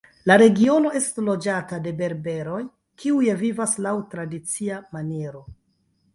La regiono estas loĝata de berberoj kiuj vivas laŭ tradicia maniero.